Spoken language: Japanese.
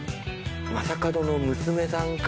将門の娘さんか。